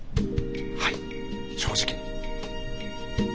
はい正直に。